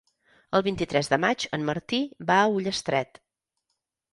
El vint-i-tres de maig en Martí va a Ullastret.